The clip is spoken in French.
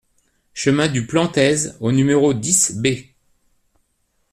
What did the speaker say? Chemin du Plantez au numéro dix B